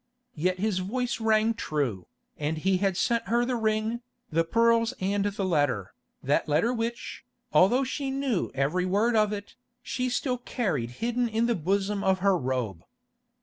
Yet his voice rang true, and he had sent her the ring, the pearls and the letter, that letter which, although she knew every word of it, she still carried hidden in the bosom of her robe.